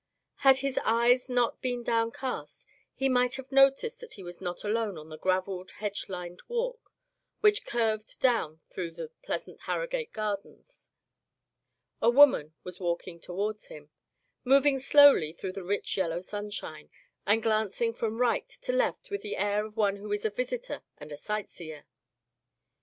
Had his eyes not been downcast he might have noticed that he was not alone on the graveled, hedge lined walk, which curved down through the pleasant Harrogate gardens. A woman was walking toward him, moving slowly through the rich yellow sunshine, and glancing from right to left with the air of one who is a visitor and a sight seer.